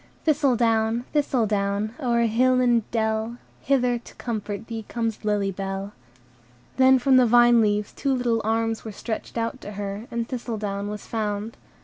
"Thistledown! Thistledown! O'er hill and dell Hither to comfort thee Comes Lily Bell." Then from the vine leaves two little arms were stretched out to her, and Thistledown was found.